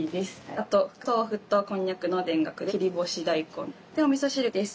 あととうふとこんにゃくの田楽切干大根でおみそ汁です。